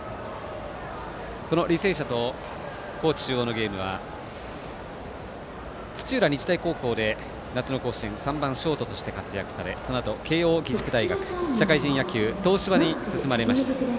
履正社と高知中央のゲームは土浦日大高校で夏の甲子園３番ショートとして活躍されそのあと慶応義塾大学社会人野球東芝に進まれました。